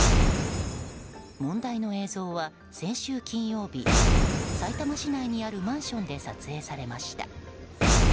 問題の映像は先週金曜日さいたま市内にあるマンションで撮影されました。